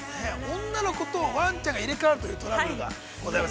◆女の子とわんちゃんが入れ代わるというトラブルがございます。